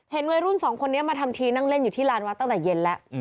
วัยรุ่นสองคนนี้มาทำทีนั่งเล่นอยู่ที่ลานวัดตั้งแต่เย็นแล้ว